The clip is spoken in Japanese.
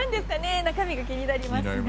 中身が気になりますが。